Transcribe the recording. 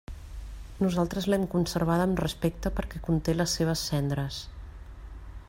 Nosaltres l'hem conservada amb respecte, perquè conté les seves cendres.